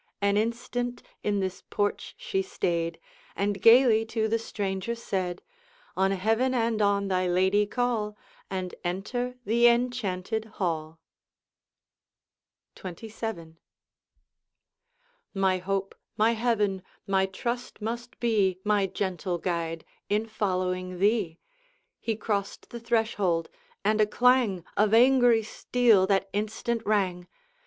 An instant in this porch she stayed, And gayly to the stranger said: 'On heaven and on thy lady call, And enter the enchanted hall!' XXVII. 'My hope, my heaven, my trust must be, My gentle guide, in following thee!' He crossed the threshold, and a clang Of angry steel that instant rang.